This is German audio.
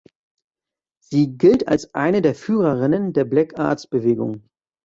Sie gilt als eine der Führerinnen der Black Arts-Bewegung.